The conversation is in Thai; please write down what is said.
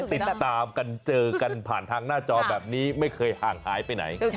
ติดตามกันเจอกันผ่านทางหน้าจอแบบนี้ไม่เคยห่างหายไปไหน